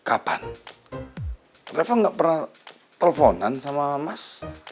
kapan reva nggak pernah teleponan sama mas